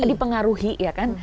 dipengaruhi ya kan